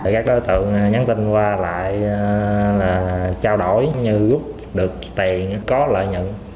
các đối tượng nhắn tin qua lại là trao đổi như góp được tiền có lợi nhận